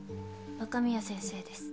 若宮先生です。